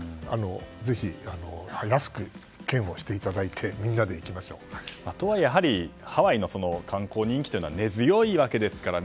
ぜひ、安くしていただいてやはり、ハワイの観光人気は根強いわけですからね。